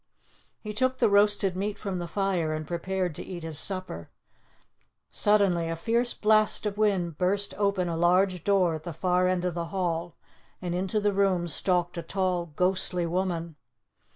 He took the roasted meat from the fire, and prepared to eat his supper. Suddenly a fierce blast of wind burst open a large door at the far end of the hall, and into the room stalked a tall, ghostly woman.